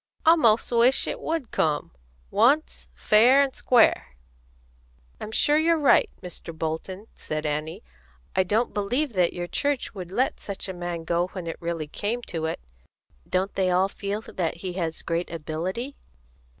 I 'most wish it would come, once, fair and square." "I'm sure you're right, Mr. Bolton," said Annie. "I don't believe that your church would let such a man go when it really came to it. Don't they all feel that he has great ability?"